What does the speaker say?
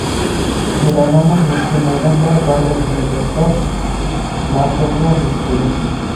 رەنانىڭ مۇشۇ مەيداندا بارلىقىنى دەسلەپ ناتوغرا ھېس قىلدىم.